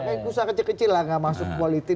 kaya kusah kecil kecil lah gak masuk politik